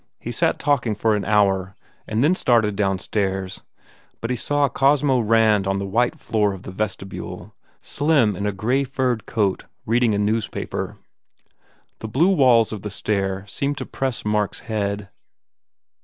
He sat talking for an hour and then started downstairs. But he saw Cosmo Rand on the white floor of the vestibule, slim in a grey furred coat, reading a newspaper. The blue walls of the stair seemed to press Mark s head.